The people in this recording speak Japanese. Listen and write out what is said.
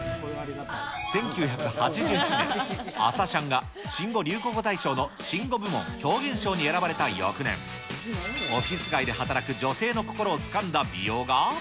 １９８７年、朝シャンが新語・流行語大賞の新語部門・表現賞に選ばれた翌年、オフィス街で働く女性の心をつかんだ美容が。